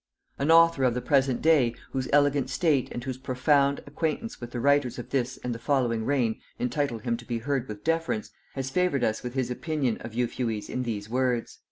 An author of the present day, whose elegant taste and whose profound acquaintance with the writers of this and the following reign entitle him to be heard with deference, has favored us with his opinion of Euphues in these words.